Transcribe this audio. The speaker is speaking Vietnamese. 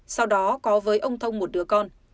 sau đó có với ông thông một đứa con